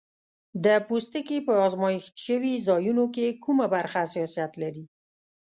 د پوستکي په آزمېښت شوي ځایونو کې کومه برخه حساسیت لري؟